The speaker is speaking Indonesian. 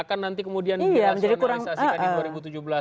akan nanti kemudian dinasionalisasikan di dua ribu tujuh belas